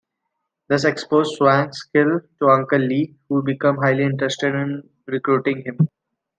This exposes Wang's skills to Uncle Li, who becomes highly interested in recruiting him.